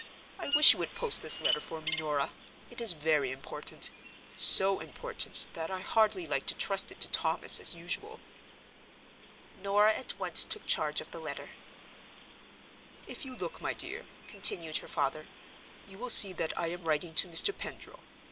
I wish you would post this letter for me, Norah. It is very important—so important that I hardly like to trust it to Thomas, as usual." Norah at once took charge of the letter. "If you look, my dear," continued her father, "you will see that I am writing to Mr. Pendril.